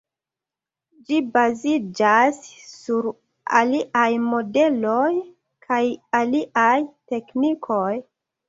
Ĝi baziĝas sur aliaj modeloj kaj aliaj teknikoj.